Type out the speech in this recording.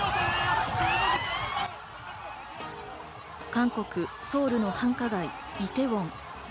韓国・ソウルの繁華街、イテウォン。